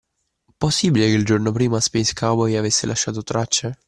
Possibile che il giorno prima Space Cowboy avesse lasciato tracce?